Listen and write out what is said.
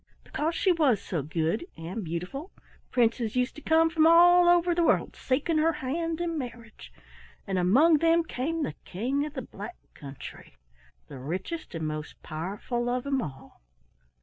"Because she was so good and beautiful princes used to come from all over the world seeking her hand in marriage, and among them came the King of the Black Country, the richest and most powerful of them all.